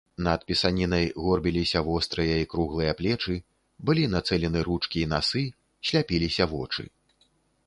Над пісанінай горбіліся вострыя і круглыя плечы, былі нацэлены ручкі і насы, сляпіліся вочы.